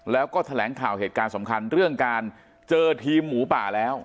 แล้วก็แถลงข่าวเหตุการณ์สำคัญเรื่องการเจอทีมหมูป่าแล้ว